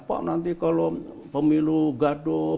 pak nanti kalau pemilu gaduh